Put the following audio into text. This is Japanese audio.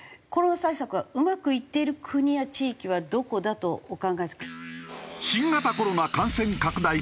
コロナ対策がうまくいっている国や地域はどこだとお考えですか？